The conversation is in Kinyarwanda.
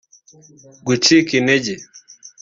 gucika intege